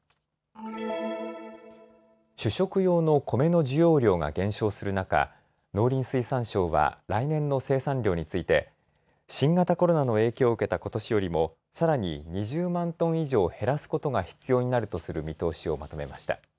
主食用のコメの需要量が減少する中、農林水産省は来年の生産量について新型コロナの影響を受けたことしよりもさらに２０万トン以上減らすことが必要になるとする見通しをまとめました。